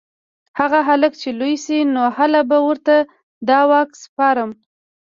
هغه هلک چې لوی شي نو هله به ورته دا واک سپارم